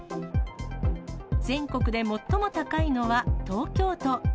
全国で最も高いのは東京都。